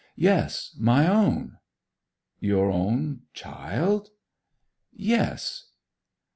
'Yes—my own!' 'Your own child?' 'Yes!